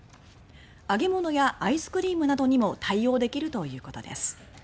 揚げ物やアイスクリームなどにも対応できるということです。